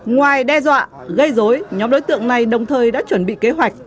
ngoài đe dọa gây dối nhóm đối tượng này đồng thời đã chuẩn bị kế hoạch